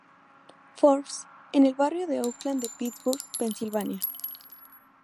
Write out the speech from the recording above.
Forbes, en el barrio de Oakland de Pittsburgh, Pensilvania.